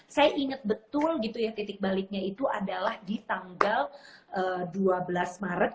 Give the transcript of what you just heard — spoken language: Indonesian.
saya ingat betul gitu ya titik baliknya itu adalah di tanggal dua belas maret